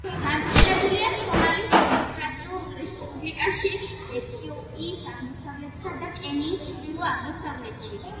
გავრცელებულია სომალის დემოკრატიულ რესპუბლიკაში, ეთიოპიის აღმოსავლეთსა და კენიის ჩრდილო-აღმოსავლეთში.